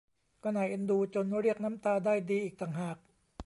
ก็น่าเอ็นดูจนเรียกน้ำตาได้ดีอีกต่างหาก